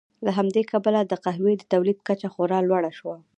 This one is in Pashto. له همدې کبله د قهوې د تولید کچه خورا لوړه شوه.